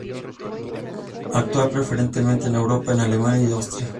Actúa preferentemente en Europa, en Alemania y Austria.